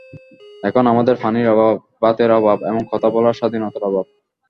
এখন আমাদের পানির অভাব, ভাতের অভাব এবং কথা বলার স্বাধীনতার অভাব।